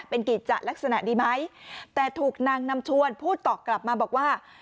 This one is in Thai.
เป็นกิจจะลักษณะดีไหมแต่ถูกนางนำชวนพูดตอบกลับมาบอกว่า